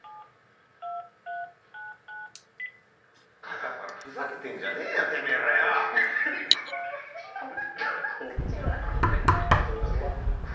朝からふざけてんじゃねぇよ、てめぇらよ！！